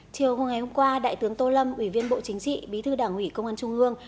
chiều hôm ngày hôm qua đại tướng tô lâm ủy viên bộ chính trị bí thư đảng ủy công an trung ương